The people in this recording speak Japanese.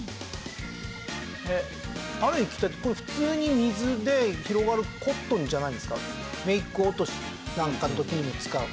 えっある液体ってこれ普通に水で広がるコットンじゃないんですか？